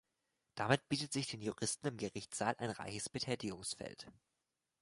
Damit bietet sich den Juristen im Gerichtssaal ein reiches Betätigungsfeld.